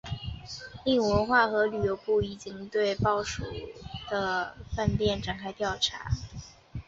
另文化和旅游部已经对被曝光的饭店展开调查。